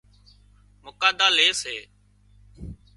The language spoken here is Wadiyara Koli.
مُڪاڌا لي سي